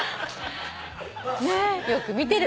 よく見てる。